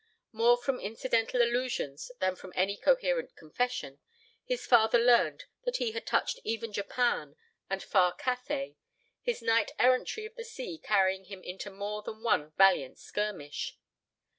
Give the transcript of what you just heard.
More from incidental allusions than from any coherent confession, his father learned that he had touched even Japan and far Cathay, his knight errantry of the sea carrying him into more than one valiant skirmish.